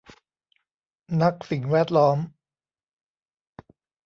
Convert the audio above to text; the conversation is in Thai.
นักสิ่งแวดล้อม